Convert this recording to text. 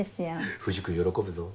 藤君喜ぶぞ。